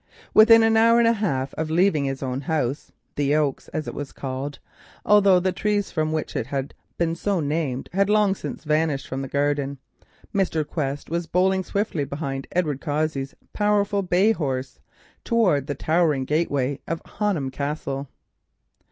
Within an hour and a half of leaving his own house, "The Oaks," as it was called, although the trees from which it had been so named had long since vanished from the garden, Mr. Quest was bowling swiftly along behind Edward Cossey's powerful bay horse towards the towering gateway of Honham Castle.